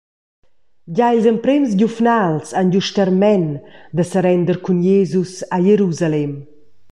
Gia ils emprems giuvnals han giu sterment da serender cun Jesus a Jerusalem.